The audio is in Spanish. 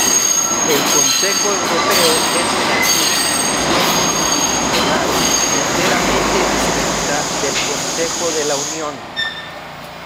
El Consejo Europeo es una Institución constitucional enteramente distinta del Consejo de la Unión.